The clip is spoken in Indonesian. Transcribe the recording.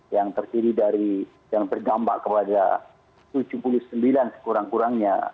yang terdiri dari yang berdampak kepada tujuh puluh sembilan sekurang kurangnya